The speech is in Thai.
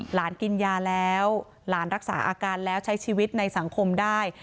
กินยาแล้วหลานรักษาอาการแล้วใช้ชีวิตในสังคมได้